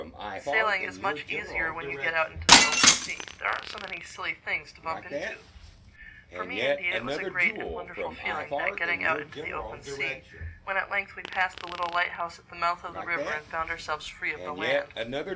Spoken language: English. "Sailing is much easier when you get out into the open sea. There aren't so many silly things to bump into." For me indeed it was a great and wonderful feeling, that getting out into the open sea, when at length we passed the little lighthouse at the mouth of the river and found ourselves free of the land.